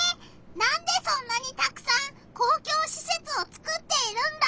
なんでそんなにたくさん公共しせつをつくっているんだ？